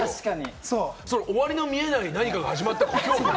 終わりの見えない何かが始まった恐怖。